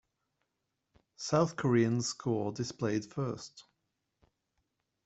South Korean's score displayed first.